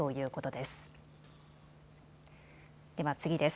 では次です。